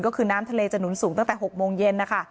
ก็คือน้ำทะเลจะหนุนสูงตั้งแต่๖โมงเย็นนะคะ